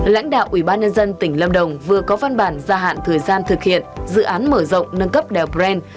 lãnh đạo ubnd tỉnh lâm đồng vừa có văn bản gia hạn thời gian thực hiện dự án mở rộng nâng cấp đèo brand